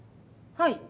はい。